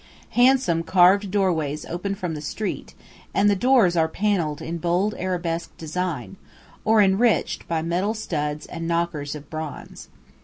Handsome carved doorways open from the street, and the doors are panelled in bold arabesque design, or enriched by metal studs and knockers of bronze.